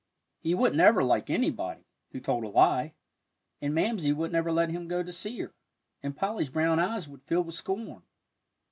He wouldn't ever like anybody who told a lie; and Mamsie wouldn't ever let him go to see her, and Polly's brown eyes would fill with scorn.